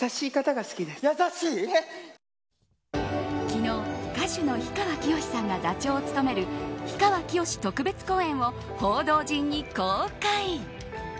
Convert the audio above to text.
昨日、歌手の氷川きよしさんが座長を務める「氷川きよし特別公演」を報道陣に公開。